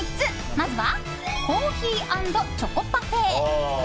まずはコーヒー＆チョコパフェ。